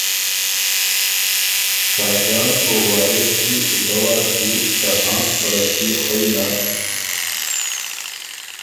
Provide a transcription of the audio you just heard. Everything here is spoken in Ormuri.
ساجان او وارث دی دۀ وار کی ته هاںشت پَړَپئے خئ نر